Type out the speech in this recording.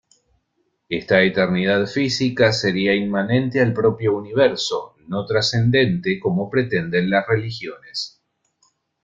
Esta eternidad física sería inmanente al propio universo, no trascendente, como pretenden las religiones.